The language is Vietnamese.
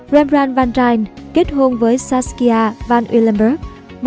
rembrandt van dyne kết hôn với saskia van uylenburg